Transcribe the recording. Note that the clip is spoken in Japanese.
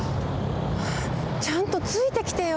ちゃんとついてきてよ。